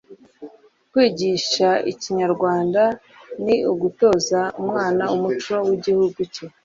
Kwigisha Ikinyarwanda ni ugutoza umwana umuco w'igihugu cye